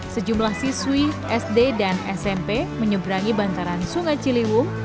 sejumlah siswi sd dan smp menyeberangi bantaran sungai ciliwung